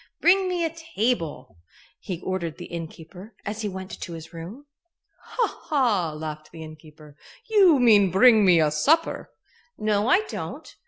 "Bring me a table," he ordered the innkeeper, as he went to his room. "Ha! ha!" laughed the innkeeper. "You mean bring me a supper." "No, I don't.